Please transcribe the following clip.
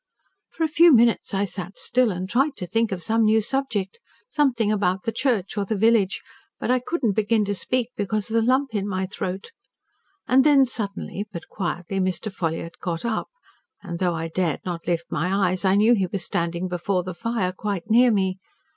"For a few minutes, I sat still, and tried to think of some new subject something about the church or the village. But I could not begin to speak because of the lump in my throat. And then, suddenly, but quietly, Mr. Ffolliott got up. And though I dared not lift my eyes, I knew he was standing before the fire, quite near me.